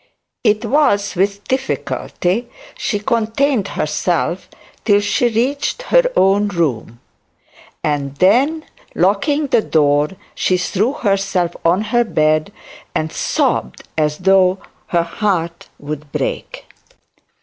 It was with difficulty that she contained herself till she reached her own room; and then, locking the door, she threw herself on her bed and sobbed as though her heart would break.